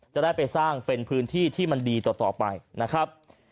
จะได้ไปสร้างเป็นพื้นที่ที่มันดีต่อไปนะครับ